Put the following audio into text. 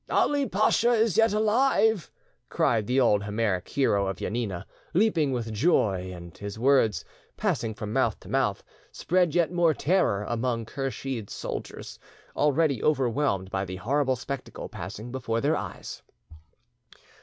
"Ali Pacha is yet alive!" cried the old Homeric hero of Janina, leaping with joy; and his words, passing from mouth to mouth, spread yet more terror amid Kursheed's soldiers, already overwhelmed by the horrible spectacle passing before their eyes.